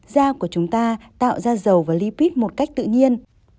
da của chúng ta tạo ra dầu và lipid một cách tự nhiên